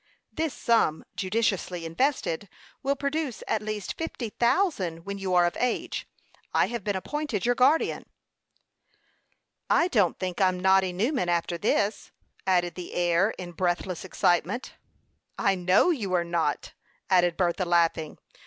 "This sum, judiciously invested, will produce at least fifty thousand when you are of age. I have been appointed your guardian." "I don't think I'm Noddy Newman after this," added the heir, in breathless excitement. "I know you are not," added Bertha, laughing.